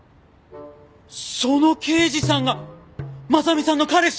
その刑事さんが真実さんの彼氏！？